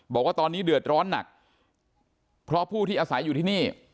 บอกว่าตอนนี้เดือดร้อนหนักเพราะผู้ที่อาศัยอยู่ที่นี่